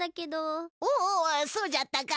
おおそうじゃったか。